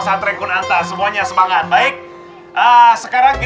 jadilah diri sendiri